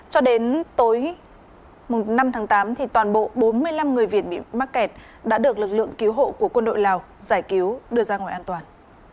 cho đến tối năm tháng tám toàn bộ bốn mươi năm người việt bị mắc kẹt đã được lực lượng cứu hộ của quân đội lào giải cứu đưa ra ngoài an toàn